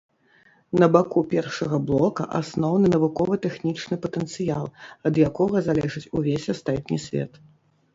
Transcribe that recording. На баку першага блока асноўны навукова-тэхнічны патэнцыял, ад якога залежыць увесь астатні свет.